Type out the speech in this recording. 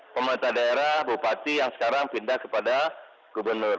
pemerintah daerah bupati yang sekarang pindah kepada gubernur